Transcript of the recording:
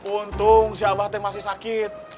untung si abah teng masih sakit